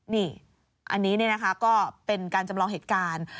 นี่อันนี้นะคะก็เป็นการจำลองเหตุการณ์